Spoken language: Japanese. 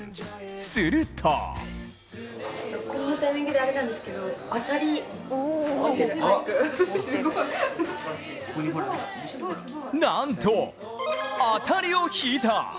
するとなんと、当たりを引いた！